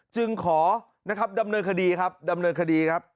จึงขอดำเนินคดีครับ